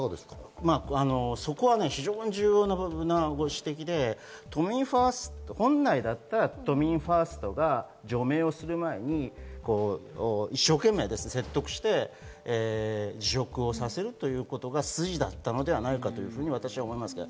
そこは非常に重要なご指摘で本来だったら都民ファーストが除名をする前に説得をして辞職をさせるということが筋だったのではないかと私は思います。